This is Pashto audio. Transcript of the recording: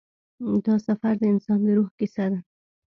دا سفر د انسان د روح کیسه ده.